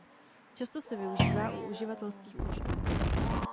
Často se využívá u uživatelských účtů.